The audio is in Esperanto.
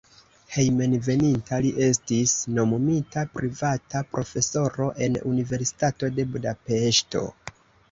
Hejmenveninta li estis nomumita privata profesoro en Universitato de Budapeŝto.